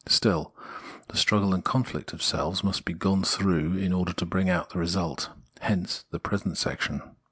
Still, the struggle and conflict of selves must be gone through in order to bring out this result. Hence the present section.